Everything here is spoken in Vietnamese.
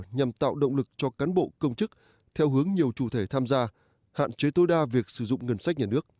nhằm tạo động lực cho cán bộ công chức theo hướng nhiều chủ thể tham gia hạn chế tối đa việc sử dụng ngân sách nhà nước